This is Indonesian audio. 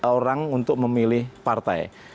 orang untuk memilih partai